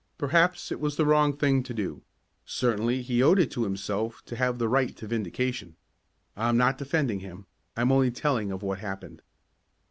Perhaps it was the wrong thing to do certainly he owed it to himself to have the right to vindication. I am not defending him, I am only telling of what happened.